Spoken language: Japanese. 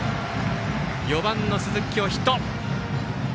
４番の鈴木、今日ヒット。